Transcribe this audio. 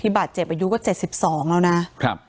ที่บาทเจ็บอายุกว่า๗๒ขับ